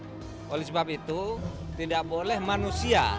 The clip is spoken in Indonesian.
oleh sebab itu tidak boleh manusia dikormosikan dengan kepentingan manusia indonesia